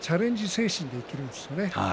精神でいけるんですよね。